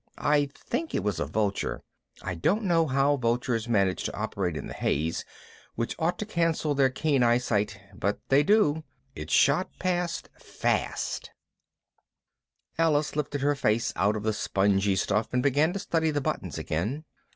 I think it was a vulture. I don't know how vultures manage to operate in the haze, which ought to cancel their keen eyesight, but they do. It shot past fast. Alice lifted her face out of the sponge stuff and began to study the buttons again.